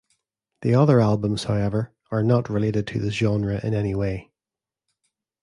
The other albums, however, are not related to this genre in any way.